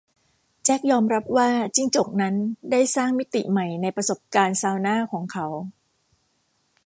แจ็คยอมรับว่าจิ้งจกนั้นได้สร้างมิติใหม่ในประสบการณ์ซาวน่าของเขา